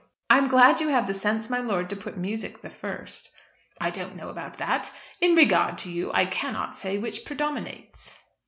"I am glad you have the sense, my lord, to put music the first." "I don't know about that. In regard to you I cannot say which predominates."